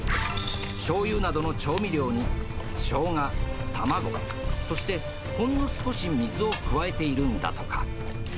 しょうゆなどの調味料に、しょうが、卵、そして、ほんの少し水を加えているんだとか。